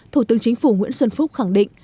thủ tướng chính phủ nguyễn xuân phúc khẳng định